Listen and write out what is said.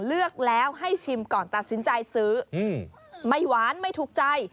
เลือกแล้วให้ชิมก่อนตัดสินใจซื้อไม่หวานไม่ถูกใจ